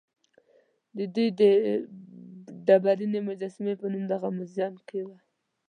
د دوی ډبرینې مجسمې په دغه موزیم کې وې.